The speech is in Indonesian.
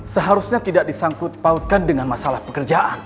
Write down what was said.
seharusnya tidak disangkut pautkan dengan masalah pekerjaan